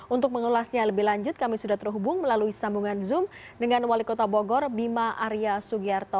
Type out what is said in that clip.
untuk mengulasnya lebih lanjut kami sudah terhubung melalui sambungan zoom dengan wali kota bogor bima arya sugiarto